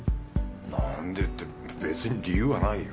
なんでって別に理由はないよ。